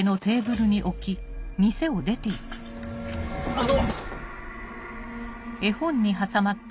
あの！